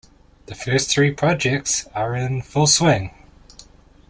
The first three projects are in full swing.